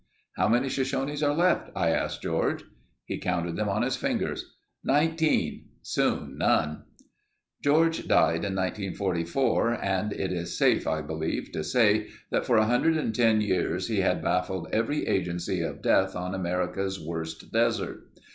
"How many Shoshones are left?" I asked George. He counted them on his fingers. "Nineteen. Soon, none." George died in 1944 and it is safe I believe, to say that for 110 years he had baffled every agency of death on America's worst desert.